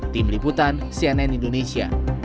tim liputan cnn indonesia